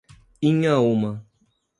Inhaúma